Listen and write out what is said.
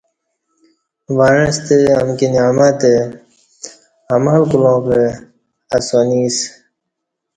وعݩستہ امکی نعمتہ عمل کولاں کہ اسانی اسہ